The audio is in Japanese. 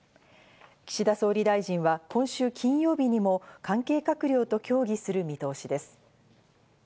岸田総理大臣は今週金曜日にも関係閣僚と協議する見通しです。